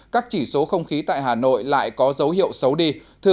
các chỉ số không khí tại hà nội lại có dấu hiệu xấu đi